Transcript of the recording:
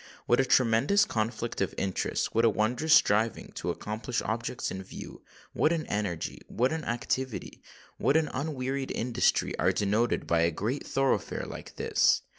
What a tremendous conflict of interests,—what a wondrous striving to accomplish objects in view,—what an energy—what an activity—what an unwearied industry, are denoted by a great thoroughfare like this!